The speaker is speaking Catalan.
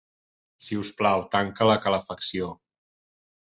Si us plau, tanca la calefacció.